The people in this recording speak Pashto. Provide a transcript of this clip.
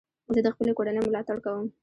زه د خپلي کورنۍ ملاتړ کوم.